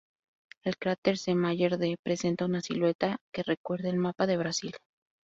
El cráter "C Mayer D" presenta una silueta que recuerda al mapa de Brasil.